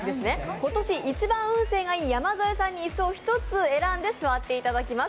今年一番運勢がいい山添さんに椅子を１つ選んで座っていただきます。